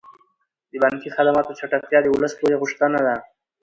د بانکي خدماتو چټکتیا د ولس لویه غوښتنه ده.